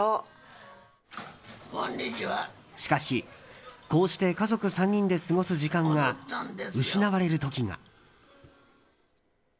しかし、こうして家族３人で過ごす時間が失われる時が。